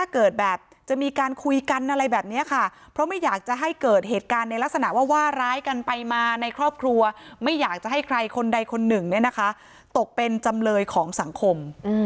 ใครคนใดคนหนึ่งนะคะตกเป็นจำเลยของสังคม